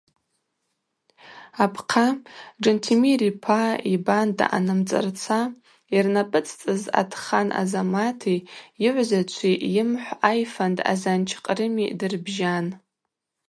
Апхъа, Джьантемыр йпа йбанда анамцӏырца йырнапӏыцӏцӏыз Атхан Азамати йыгӏвзачви йымхӏв айфанд Азанч Кърыми дырбжьан.